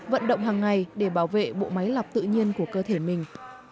vận động hàng ngày để bảo vệ bộ máy lọc tự nhiên của cơ thể mình